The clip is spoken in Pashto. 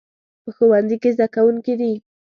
په ښوونځي کې زده کوونکي دي